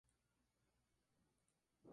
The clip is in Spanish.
Son monógamos y se reproducen formando colonias.